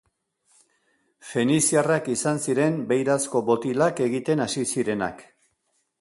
Feniziarrak izan ziren beirazko botilak egiten hasi zirenak.